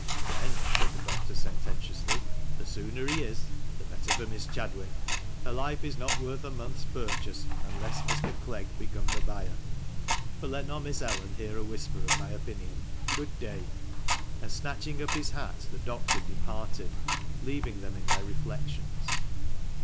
" Then," said the doctor, sententiously, " the sooner he is, the better for Miss Chadwick. Her life is not worth a month's purchase unless Mr. Clegg become the buyer. But let not Miss Ellen hear a whisper of my opinion. Good day." And, snatching up his hat, the doctor departed, leaving them to their reflections.